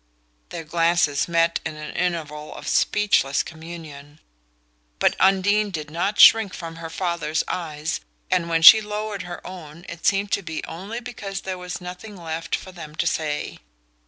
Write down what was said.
Their glances met in an interval of speechless communion; but Undine did not shrink from her father's eyes and when she lowered her own it seemed to be only because there was nothing left for them to say.